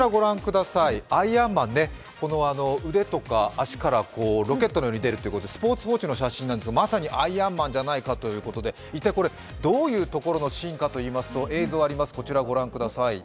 アイアンマンね、腕とか足からロケットのように出るということで「スポーツ報知」の写真なんですけれどもまさにアイアンマンじゃないかっていうことで、一体、どういうシーンかといいますと、映像をご覧ください。